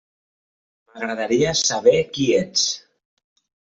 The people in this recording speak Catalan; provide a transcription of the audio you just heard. M'agradaria saber qui ets.